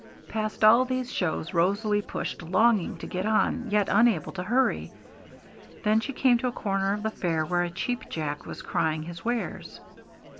Past all these shows Rosalie pushed, longing to get on yet unable to hurry. Then she came to a corner of the fair where a Cheap Jack was crying his wares.